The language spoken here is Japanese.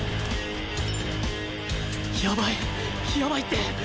やばいやばいって！